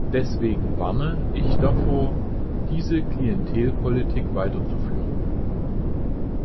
Deswegen warne ich davor, diese Klientelpolitik weiterzuführen.